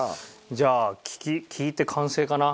じゃあ聴き聴いて完成かな。